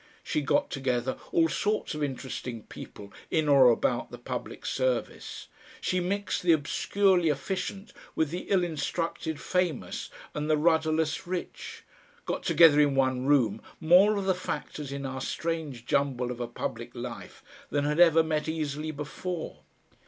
She got together all sorts of interesting people in or about the public service, she mixed the obscurely efficient with the ill instructed famous and the rudderless rich, got together in one room more of the factors in our strange jumble of a public life than had ever met easily before.